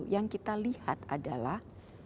yang kita lihat adalah